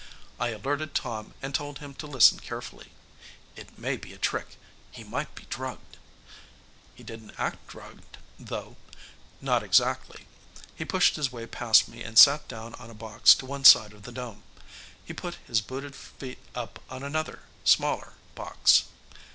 I alerted Tom and told him to listen carefully. "It may be a trick he might be drugged...." He didn't act drugged, though not exactly. He pushed his way past me and sat down on a box to one side of the dome. He put his booted feet up on another, smaller box.